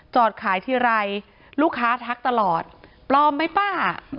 จอดขายที่ไรลูกค้าทักตลอดปลอมมั้ยป้า